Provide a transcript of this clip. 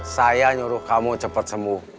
saya nyuruh kamu cepat sembuh